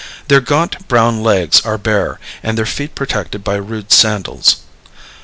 Their gaunt brown legs are bare, and their feet protected by rude sandals.